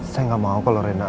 saya gak mau kalau reina